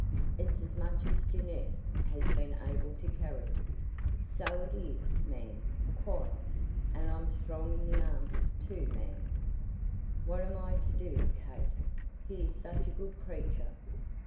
"It's as much as Jeannette has been able to carry." "So it is, ma'am, quite; and I'm strong in the arm, too, ma'am." "What am I to do, Kate? He is such a good creature."